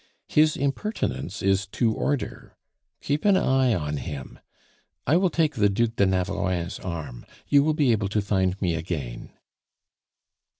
His impertinence is to order; keep an eye on him. I will take the Duc de Navarrein's arm. You will be able to find me again."